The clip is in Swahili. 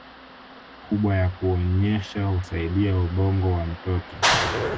kubwa ya kunyonyesha husaidia ubongo wa mtoto